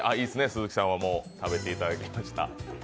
鈴木さんは食べていただきました。